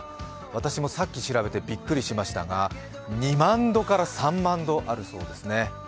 私もさっき調べてびっくりしましたが２万度から３万度あるそうですね。